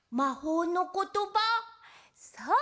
そう！